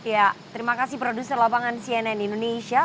ya terima kasih produser lapangan cnn indonesia